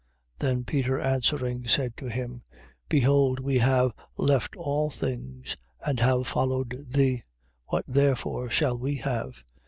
19:27. Then Peter answering, said to him: Behold we have left all things, and have followed thee: what therefore shall we have?